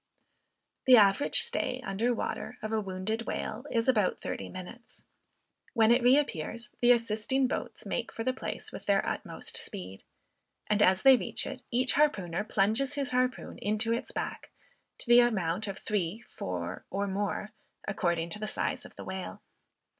The average stay under water of a wounded whale is about thirty minutes. When it reappears, the assisting boats make for the place with their utmost speed, and as they reach it, each harpooner plunges his harpoon into its back, to the amount of three, four, or more, according to the size of the whale.